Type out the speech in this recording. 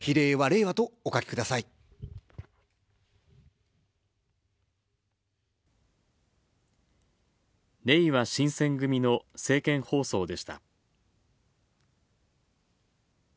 れいわ新選組の政見放送でした。